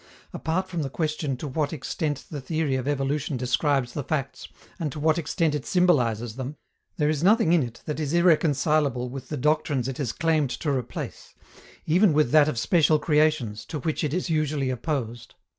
Apart from the question to what extent the theory of evolution describes the facts and to what extent it symbolizes them, there is nothing in it that is irreconcilable with the doctrines it has claimed to replace, even with that of special creations, to which it is usually opposed.